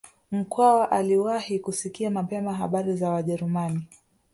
Mkwawa aliwahi kusikia mapema habari za Wajerumani